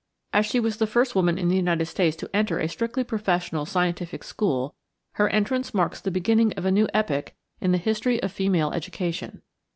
As she was the first woman in the United States to enter a strictly professional scientific school, her entrance marks the beginning of a new epoch in the history of female education.